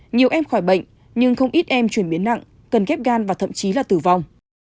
nhiều em khỏi bệnh nhưng không ít em chuyển biến nặng cần ghép gan và thậm chí là tử vong